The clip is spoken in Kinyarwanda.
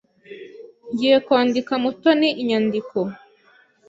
Ngiye kwandika Mutoni inyandiko.